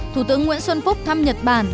thủ tướng nguyễn xuân phúc thăm nhật bản